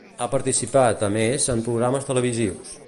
Ha participat, a més, en programes televisius.